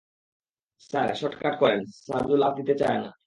Sir, short cut করেন, সারজু লাফ দিতে চায় না।